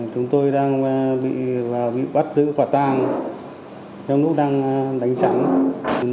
chúng tôi đang bị bắt dưới cầu tàng trong lúc đang đánh trắng